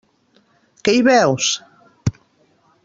Què hi veus?